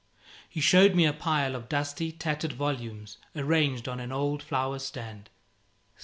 He showed me a pile of dusty, tattered volumes, arranged on an old flower stand.